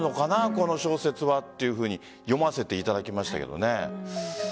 この小説はというふうに読ませていただきましたけどね。